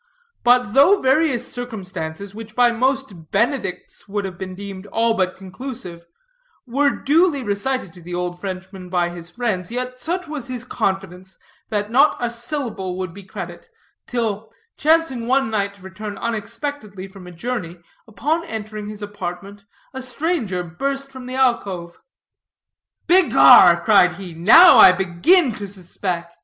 But though various circumstances, which by most Benedicts would have been deemed all but conclusive, were duly recited to the old Frenchman by his friends, yet such was his confidence that not a syllable would he credit, till, chancing one night to return unexpectedly from a journey, upon entering his apartment, a stranger burst from the alcove: "Begar!" cried he, "now I begin to suspec."